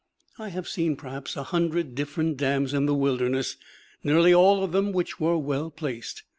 I have seen perhaps a hundred different dams in the wilderness, nearly all of which were well placed.